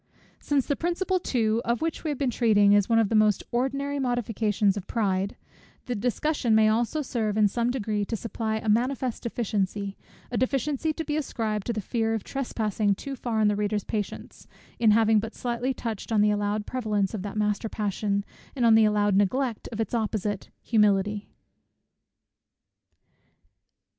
Since the principle too, of which we have been treating, is one of the most ordinary modifications of pride; the discussion may also serve in some degree to supply a manifest deficiency, a deficiency to be ascribed to the fear of trespassing too far on the reader's patience, in having but slightly touched on the allowed prevalence of that master passion, and on the allowed neglect of its opposite, humility.